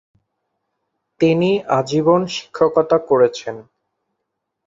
তিনি আজীবন শিক্ষকতা করেছেন।